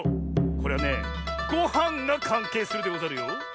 これはねごはんがかんけいするでござるよ。